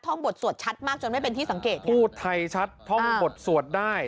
ห้องบทสวดชัดมากจนไม่เป็นที่สังเกตพูดไทยชัดท่องบทสวดได้